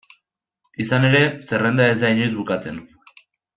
Izan ere, zerrenda ez da inoiz bukatzen.